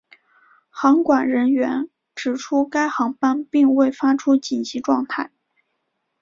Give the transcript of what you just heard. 航管人员指出该航班并未发出紧急状态。